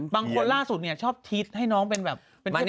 บางคนร่าสุดชอบทีสให้น้องเป็นเฮียบัตรา